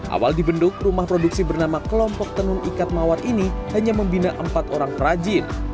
awal dibendung rumah produksi bernama kelompok tenun ikat mawar ini hanya membina empat orang perajin